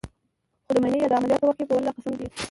خو د معاينې يا د عمليات په وخت په ولله قسم ديه.